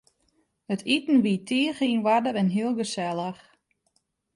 It iten wie tige yn oarder en heel gesellich.